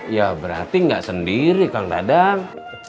ya berarti nggak sendiri kang dadang